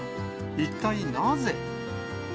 一体なぜ。